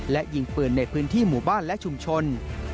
และยิงปืนในพื้นที่หมู่บ้านและชุมชน